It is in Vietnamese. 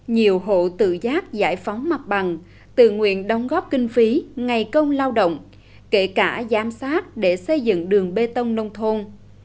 nhiều hộ tự giác giải phóng mặt bằng tự nguyện đóng góp kinh phí ngày công lao động kể cả giám sát để xây dựng đường bê tông nông thôn